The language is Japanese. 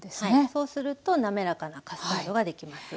そうすると滑らかなカスタードができます。